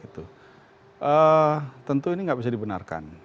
tentu ini nggak bisa dibenarkan